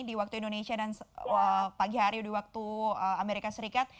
di waktu indonesia dan pagi hari di waktu amerika serikat